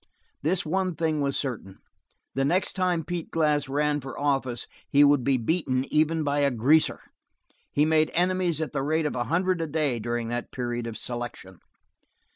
This one thing was certain: the next time Pete Glass ran for office he would be beaten even by a greaser. He made enemies at the rate of a hundred a day during that period of selection.